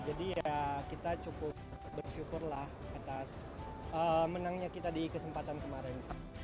jadi ya kita cukup bersyukur lah atas menangnya kita di kesempatan kemarin